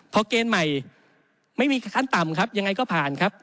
พอเกณฑ์ใหม่ไม่มีขั้นต่ำยังไงก็ผ่าน